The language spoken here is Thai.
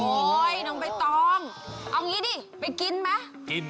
น้องใบตองเอางี้ดิไปกินไหม